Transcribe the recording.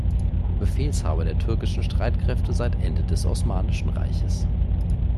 Befehlshaber der Türkischen Streitkräfte seit Ende des Osmanischen Reiches.